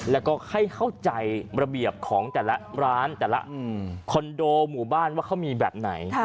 แล้วก็ให้เข้าใจระเบียบของแต่ละร้านแต่ละคอนโดหมู่บ้านว่าเขามีแบบไหน